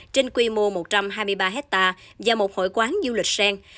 trên quy mô một trăm hai mươi ba hectare và một hội quán du lịch sen